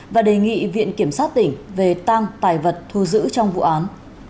và đề nghị viện kiểm sát tỉnh về tăng tài vật thu giữ trong vụ án